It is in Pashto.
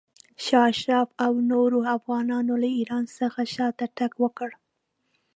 شاه اشرف او نورو افغانانو له ایران څخه شاته تګ وکړ.